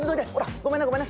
ごめんねごめんね。